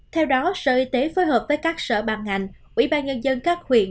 theo đó sở y tế phối hợp với các sở ban ngành ủy ban nhân dân các huyện